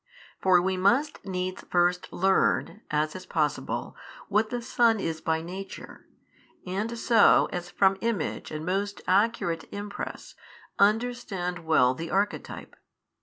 For we must needs first learn (as is possible) what the Son is by Nature; and so, as from Image and most accurate Impress, understand well the Archetype.